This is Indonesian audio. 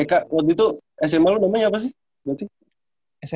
eh kak waktu itu sma lu namanya apa sih berarti